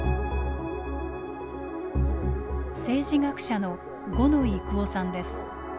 政治学者の五野井郁夫さんです。